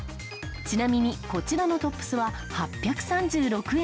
ちなみにこちらのトップスは８３６円。